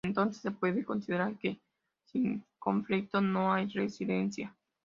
Entonces se puede considerar que sin conflicto no hay Resiliencia.